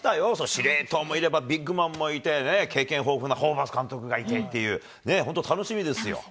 司令塔もいれば、ビッグマンもいて、経験豊富なホーバス監督がいてっていうね、本当、楽しみですよ。